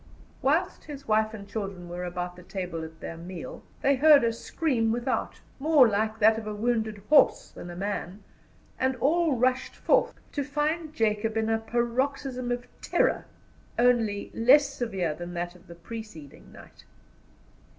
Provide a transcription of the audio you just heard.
Whilst his wife and children were about the table at their meal, they heard a scream without, more like that of a wounded horse than a man, and all rushed forth, to find Jacob in a paroxysm of terror only less severe than that of the preceding night.